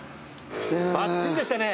バッチリでしたね。